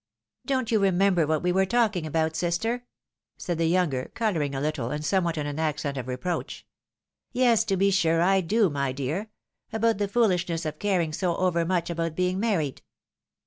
134 THE WIDOW MARRIED, " Don't you remember what we were talking about, sister ?" said the younger, colouring a little, and somewhat in an accent of reproach. " Yes, to be sure I do, my dear ; about the foolishness of caring sp overmuch about being married."